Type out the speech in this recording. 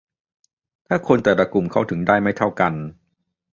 ถ้าคนแต่ละกลุ่มเข้าถึงได้ไม่เท่ากัน